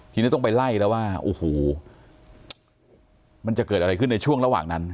ทีนี้ต้องไปไล่แล้วว่าโอ้โหมันจะเกิดอะไรขึ้นในช่วงระหว่างนั้น